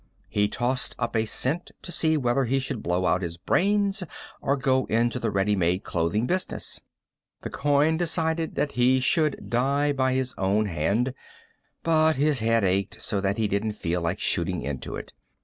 He tossed up a cent to see whether he should blow out his brains or go into the ready made clothing business. The coin decided that he should die by his own hand, but his head ached so that he didn't feel like shooting into it.